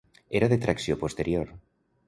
Era de tracció posterior.